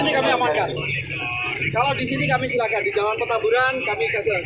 kalau di sini kami silakan di jalan petamburan kami kasih akses